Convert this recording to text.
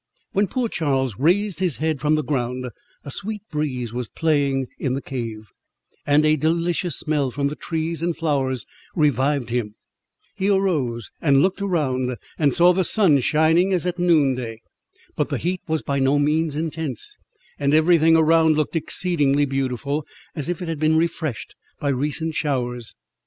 When poor Charles raised his head from the ground, a sweet breeze was playing in the cave, and a delicious smell from the trees and flowers revived him; he arose, and looked around, and saw the sun shining as at noonday; but the heat was by no means intense, and every thing around looked exceedingly beautiful, as if it had been refreshed by recent showers.